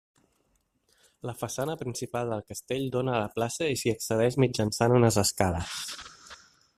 La façana principal del castell dóna a la plaça i s'hi accedeix mitjançant unes escales.